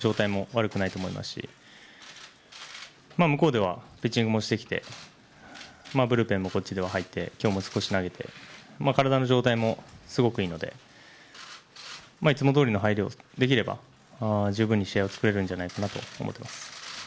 バッティングは何打席か立てたので状態も悪くないと思いますし向こうではピッチングもしてきてブルペンもこっちでは入って、今日も少し投げて、体の状態もすごくいいので、いつもどおりの入りをできれば十分に試合をつくれるんじゃないかなと思ってます。